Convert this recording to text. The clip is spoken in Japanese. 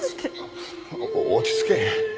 お落ち着け。